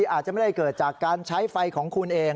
อาจจะไม่ได้เกิดจากการใช้ไฟของคุณเอง